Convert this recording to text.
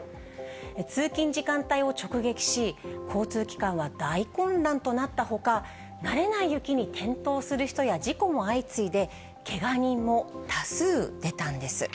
通勤時間帯を直撃し、交通機関は大混乱となったほか、慣れない雪に転倒する人や事故も相次いで、けが人も多数出たんです。